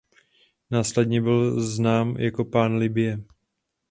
Následně byl znám jako „Pán Libye“.